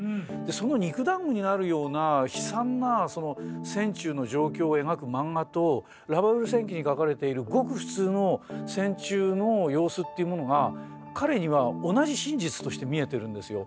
その肉だんごになるような悲惨なその船中の状況を描く漫画と「ラバウル戦記」にかかれているごく普通の船中の様子っていうものが彼には同じ真実として見えてるんですよ。